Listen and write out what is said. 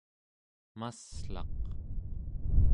mass'laq